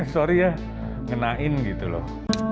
sorry ya ngenain gitu loh